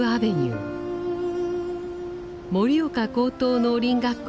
盛岡高等農林学校